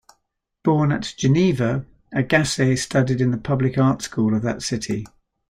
Born at Geneva, Agasse studied in the public art school of that city.